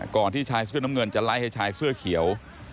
ที่ชายเสื้อน้ำเงินจะไล่ให้ชายเสื้อเขียว